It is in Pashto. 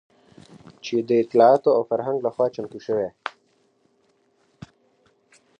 چې د اطلاعاتو او فرهنګ لخوا چمتو شوى